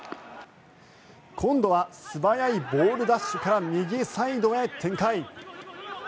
今度は素早いボール奪取から右サイドへ展開。